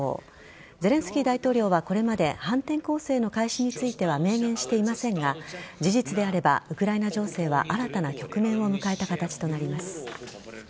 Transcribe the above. ゼレンスキー大統領は、これまで反転攻勢の開始については明言していませんが事実であれば、ウクライナ情勢は新たな局面を迎えた形となります。